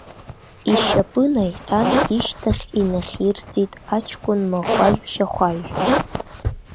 Ишьапы наиҟьан ишьҭахь инахьирсит аҷкәын махәажә-шьахәажә.